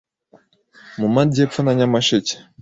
mu majyepfo na Nyamasheke